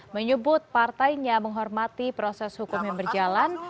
menyebut partainya menghormati proses hukum yang berjalan